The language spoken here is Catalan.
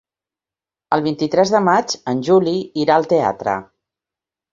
El vint-i-tres de maig en Juli irà al teatre.